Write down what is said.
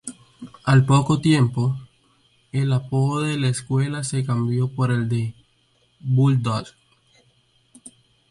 Al poco tiempo, el apodo de la escuela se cambió por el de "Bulldogs".